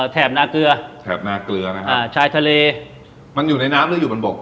นาเกลือแถบนาเกลือนะฮะอ่าชายทะเลมันอยู่ในน้ำหรืออยู่บนบก